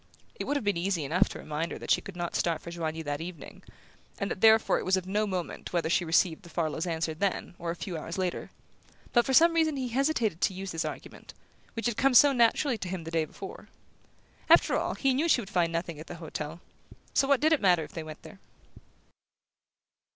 It would have been easy enough to remind her that she could not start for Joigny that evening, and that therefore it was of no moment whether she received the Farlows' answer then or a few hours later; but for some reason he hesitated to use this argument, which had come so naturally to him the day before. After all, he knew she would find nothing at the hotel so what did it matter if they went there?